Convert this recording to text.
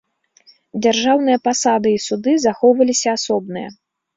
Дзяржаўныя пасады і суды захоўваліся асобныя.